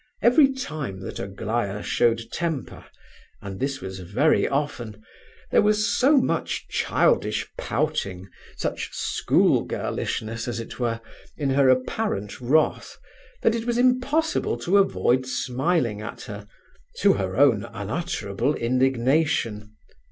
Every time that Aglaya showed temper (and this was very often), there was so much childish pouting, such "school girlishness," as it were, in her apparent wrath, that it was impossible to avoid smiling at her, to her own unutterable indignation.